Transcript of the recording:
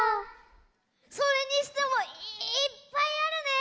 それにしてもいっぱいあるね。